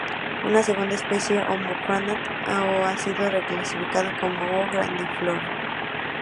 Una segunda especie "O. mucronat"a, ha sido reclasificada como O. grandiflora.